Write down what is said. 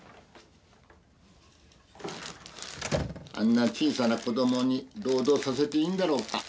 あんな小さな子供に労働させていいんだろうか？